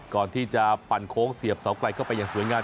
ก่อนที่จะปั่นโค้งเสียบเสาไกลเข้าไปอย่างสวยงาม